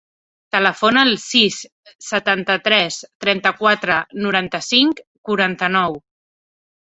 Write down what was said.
Telefona al sis, setanta-tres, trenta-quatre, noranta-cinc, quaranta-nou.